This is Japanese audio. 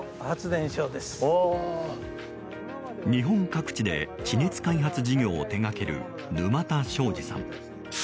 日本各地で地熱開発事業を手掛ける沼田昭二さん。